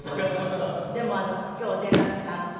でも今日お出になった感想。